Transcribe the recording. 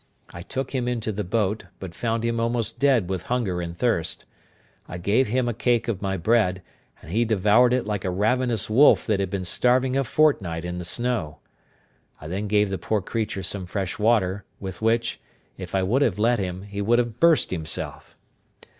I took him into the boat, but found him almost dead with hunger and thirst. I gave him a cake of my bread, and he devoured it like a ravenous wolf that had been starving a fortnight in the snow; I then gave the poor creature some fresh water, with which, if I would have let him, he would have burst himself.